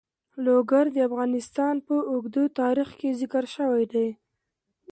لوگر د افغانستان په اوږده تاریخ کې ذکر شوی دی.